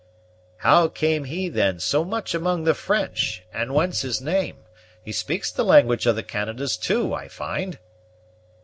"How came he then so much among the French, and whence his name? He speaks the language of the Canadas, too, I find."